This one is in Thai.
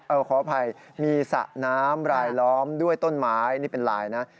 ขออภัยมีสระน้ำรายล้อมด้วยต้นไม้นี่เป็นลายนะ